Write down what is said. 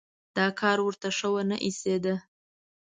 دا کار ورته شه ونه ایسېده.